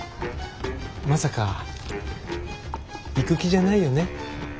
まさか行く気じゃないよね？